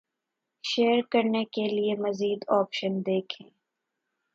share کرنے کے لیے مزید آپشن دیکھ„یں